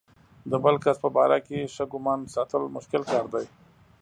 د بل کس په باره کې ښه ګمان ساتل مشکل کار دی.